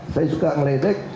saya suka meledek